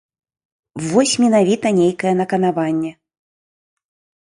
Вось менавіта нейкае наканаванне.